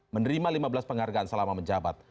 menerima lima belas penghargaan selama menjabat